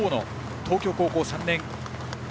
東京高校３年。